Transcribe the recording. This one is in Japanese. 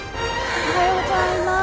おはようございます。